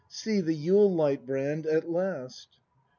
See, the Yule light, Brand, at last!